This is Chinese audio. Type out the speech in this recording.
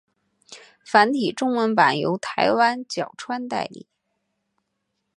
繁体中文版由台湾角川代理。